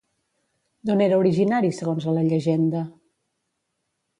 D'on era originari, segons la llegenda?